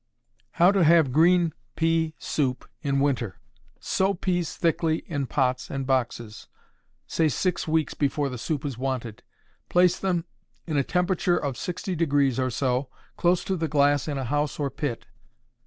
How to Have Green Pea Soup in Winter. Sow peas thickly in pots and boxes, say six weeks before the soup is wanted. Place them in a temperature of 60° or so, close to the glass in a house or pit.